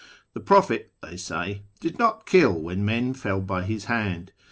" The Prophet," they say, " did not kill when men fell by his hand.